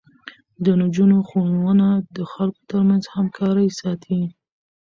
د نجونو ښوونه د خلکو ترمنځ همکاري ساتي.